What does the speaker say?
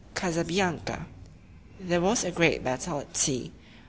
CASABIANCA. There was a great battle at sea.